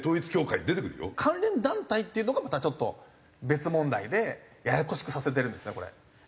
関連団体っていうのがまたちょっと別問題でややこしくさせてるんですねこれ。